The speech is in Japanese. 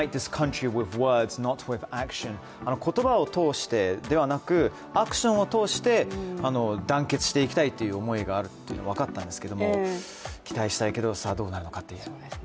言葉を通してではなく、アクションを通して団結していきたいという思いがあるのは分かったんですけど、期待したいけどさあどうなるのかというところで。